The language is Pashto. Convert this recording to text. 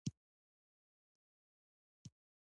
کور خالي ولاړ و، شا ته مې تېر شوي سړک ته وکتل.